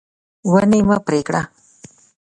ونې مه پرې کړه.